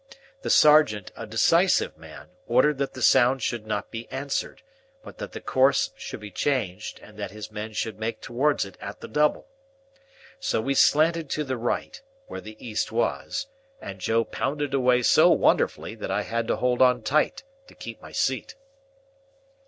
The sergeant, a decisive man, ordered that the sound should not be answered, but that the course should be changed, and that his men should make towards it "at the double." So we slanted to the right (where the East was), and Joe pounded away so wonderfully, that I had to hold on tight to keep my seat.